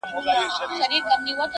و باطل ته یې ترک کړئ عدالت دی.